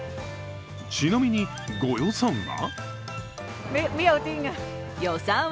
ちなみに、ご予算は？